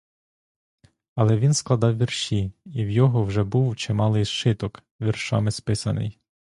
Але він складав вірші, і в його вже був чималий зшиток, віршами списаний.